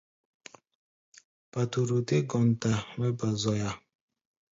Paturu dé gɔnta mɛ́ ba zoya.